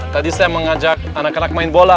tadi saya mengajak anak anak main bola